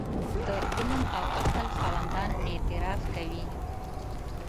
د علم او عقل خاوندان اعتراف کوي.